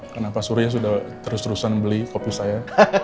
kenapa surya sudah terus terusan beli kopi saya